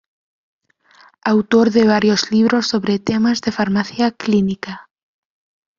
Autor de varios libros sobre temas de Farmacia Clínica.